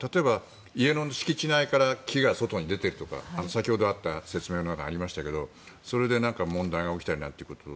でも例えば、家の敷地内から木が外に出てるとか先ほどあった説明にありましたがそれで問題が起きたりなんかも。